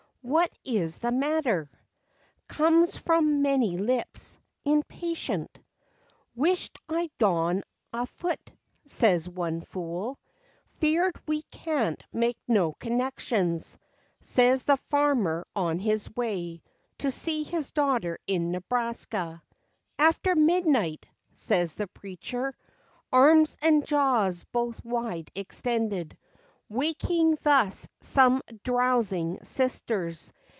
u What is the matter ?" Comes from many lips, impatient. " Wisht I'd gone a foot," says one fool; "'Feard we can't make no connections," Says the farmer on his way to See his daughter in Nebraska. " After midnight," says the preacher, Arms and jaws both wide extended, Waking thus some drowsing sisters.